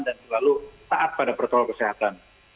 dan terlalu taat pada patrol kesehatan